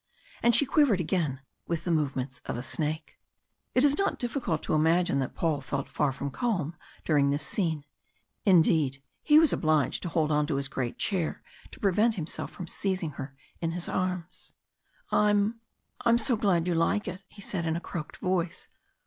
And she quivered again with the movements of a snake. It is not difficult to imagine that Paul felt far from calm during this scene indeed he was obliged to hold on to his great chair to prevent himself from seizing her in his arms. "I'm I'm so glad you like him," he said in a choked voice.